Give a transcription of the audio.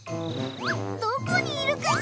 どこにいるかな？